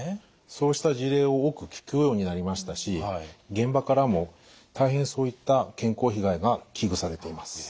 そうした事例を多く聞くようになりましたし現場からも大変そういった健康被害が危惧されています。